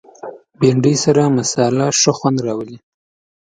بېنډۍ سره مصالحه ښه خوند راولي